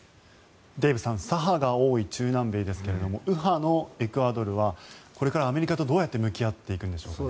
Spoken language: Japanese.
デーブさん左派が多い中南米ですが右派のエクアドルはこれからアメリカとどうやって向き合っていくんでしょうかね。